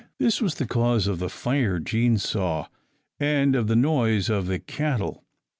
This was the cause of the fire Jean saw, and of the noise of the cattle.